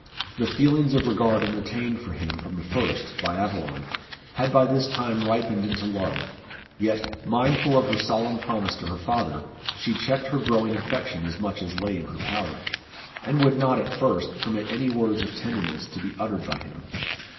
The feelings of regard entertained for him from the first by Aveline, had by this time ripened into love; yet, mindful of her solemn promise to her father, she checked her growing affection as much as lay in her power, and would not, at first, permit any words of tenderness to be uttered by him.